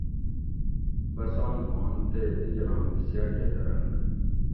بسان ہُوانت تے دِگیراں نِسیاۤ کہ دۤرنت